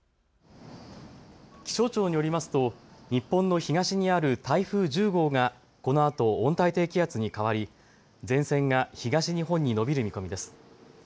気象庁によりますと日本の東にある台風１０号がこのあと温帯低気圧に変わり前線が東日本に延びる見込みです。